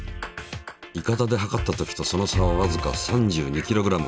いかだで量ったときとその差はわずか３２ｋｇ。